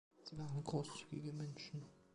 Sie waren großzügige Menschen.